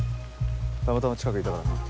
たまたま近くいたからな。